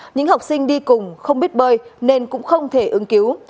những học sinh đi cùng không biết bơi nên cũng không thể ứng cứu